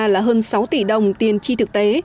là hơn sáu tỷ đồng tiền chi thực tế